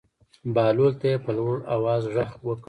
بهلول ته یې په لوړ آواز غږ وکړ.